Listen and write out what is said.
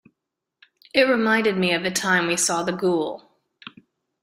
It reminded me of the time we saw the ghoul.